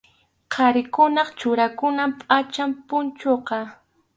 Qharikunap churakunan pʼacham punchuqa.